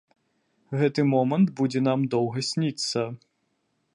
Гэты момант будзе нам доўга сніцца.